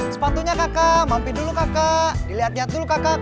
sepatunya kakak mampi dulu kakak dilihat lihat dulu kakak